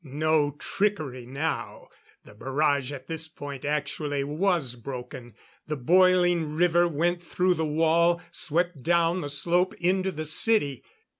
No trickery now; the barrage at this point actually was broken. The boiling river went through the wall, swept down the slope into the city.